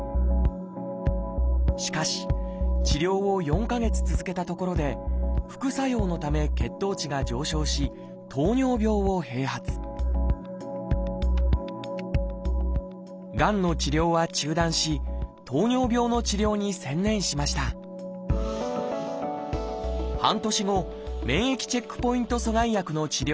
しかし治療を４か月続けたところで副作用のため血糖値が上昇し糖尿病を併発がんの治療は中断し糖尿病の治療に専念しました半年後免疫チェックポイント阻害薬の治療を再開。